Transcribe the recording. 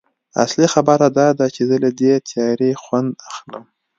اصلي خبره دا ده چې زه له دې تیارې خوند اخلم